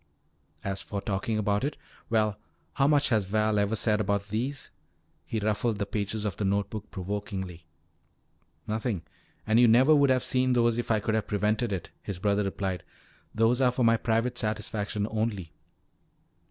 As for talking about it well, how much has Val ever said about these?" He ruffled the pages of the note book provokingly. "Nothing. And you would never have seen those if I could have prevented it," his brother replied. "Those are for my private satisfaction only."